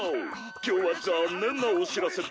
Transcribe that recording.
今日は残念なお知らせだよ。